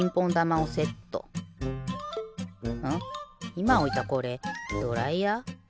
いまおいたこれドライヤー？